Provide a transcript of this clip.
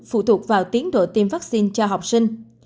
phụ thuộc vào tiến độ tiêm vaccine cho học sinh